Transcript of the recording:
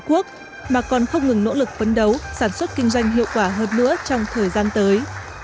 tổ quốc mà còn không ngừng nỗ lực phấn đấu sản xuất kinh doanh hiệu quả hơn nữa trong thời gian tới